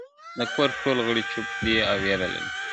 د کور ټول غړي چوپ دي او وېره لري-